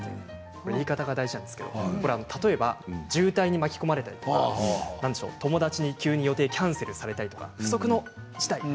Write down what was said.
これは言い方が大事なんですけれど例えば、渋滞に巻き込まれたり友達に急に予定をキャンセルされたりとか不測の事態